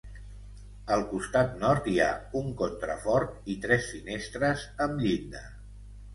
Al costat nord hi ha un contrafort i tres finestres amb llinda.